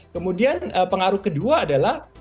kemudian pengaruh kedua adalah